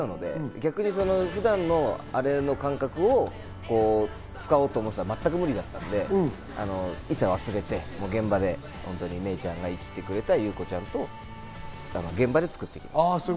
逆に普段のアレの感覚を使おうと思ったら、全く無理だったんで、一切忘れて、現場で芽郁ちゃんが演じてくれた優子ちゃんと現場で作っていきました。